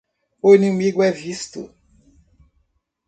O inimigo é visto!